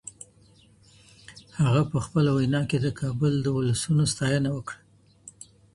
هغه په خپله وینا کي د کابل د ولسونو ستاینه وکړه.